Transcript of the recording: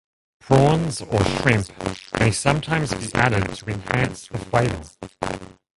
Prawns or shrimp may sometimes be added to enhance the flavor.